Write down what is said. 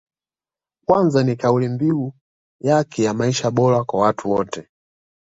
Kwanza ni kaulimbiu yake ya maisha bora kwa wote